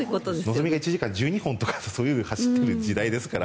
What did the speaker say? のぞみが１時間１２本とか走っている時代ですから。